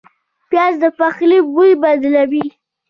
پیاز د پخلي بوی بدلوي